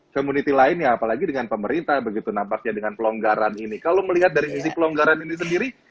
community lainnya apalagi dengan pemerintah begitu nampaknya dengan pelonggaran ini kalau melihat dari sisi pelonggaran ini sendiri